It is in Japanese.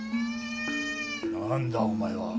何だお前は？